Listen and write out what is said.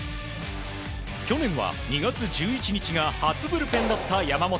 去年は２月１１日が初ブルペンだった山本。